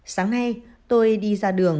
sáng nay tôi đi ra đường